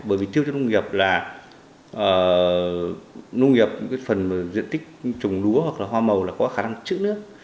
bởi vì tiêu cho nông nghiệp là nông nghiệp cái phần diện tích trồng lúa hoặc là hoa màu là có khả năng chữ nước